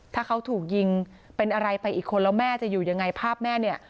ถ้าเขาถูกยิงเป็นอะไรไปอีกคนแล้วแม่จะอยู่ยังไงภาพแม่เนี่ย